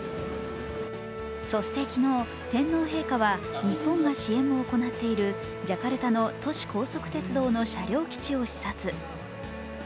そして昨日、天皇陛下は日本が支援を行っているジャカルタの都市高速鉄道の車両基地を視察。